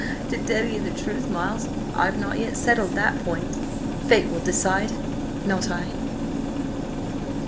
"To tell you the truth, Miles, I've not yet settled that point. Fate will decide–not I."